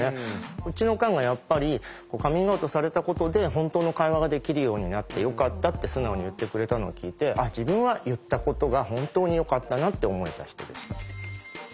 うちのおかんがやっぱりカミングアウトされたことで本当の会話ができるようになってよかったって素直に言ってくれたのを聞いて自分は言ったことが本当によかったなって思えた人でした。